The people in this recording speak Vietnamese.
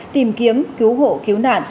tìm kiếm cứu hộ cứu nạn